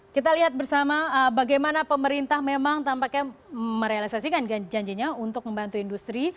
kita lihat bersama bagaimana pemerintah memang tampaknya merealisasikan janjinya untuk membantu industri